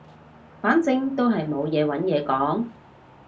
反正都係冇嘢揾嘢講